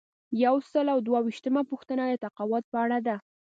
یو سل او دوه ویشتمه پوښتنه د تقاعد په اړه ده.